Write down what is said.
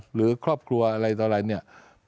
หรือครอบครัวอะไรต่ออะไรเนี่ย